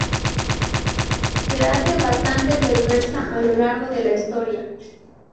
Se hace bastante perversa a lo largo de la historia.